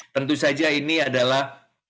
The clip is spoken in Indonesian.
tentu saja ini adalah